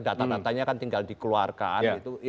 data datanya kan tinggal dikeluarkan